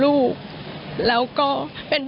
ลูกชายวัย๑๘ขวบบวชหน้าไฟให้กับพุ่งชนจนเสียชีวิตแล้วนะครับ